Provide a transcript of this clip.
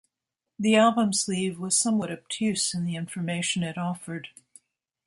The album sleeve was somewhat obtuse in the information it offered.